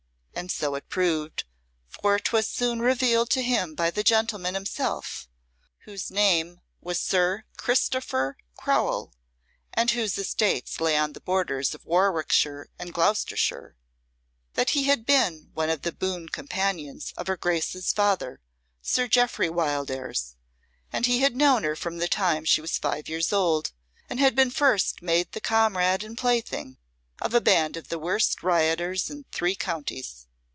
And so it proved, for 'twas soon revealed to him by the gentleman himself (whose name was Sir Christopher Crowell, and whose estate lay on the borders of Warwickshire and Gloucestershire) that he had been one of the boon companions of her Grace's father, Sir Jeoffry Wildairs, and he had known her from the time she was five years old, and had been first made the comrade and plaything of a band of the worst rioters in three counties.